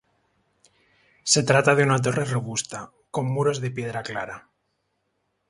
Se trata de una torre robusta, con muros de piedra clara.